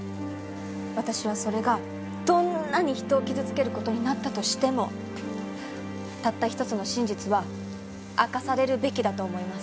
私はそれがどんなに人を傷つける事になったとしてもたった一つの真実は明かされるべきだと思います。